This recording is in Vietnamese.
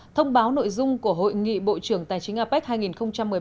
thông báo nội dung của hội nghị bộ trưởng tài chính apec hai nghìn một mươi bảy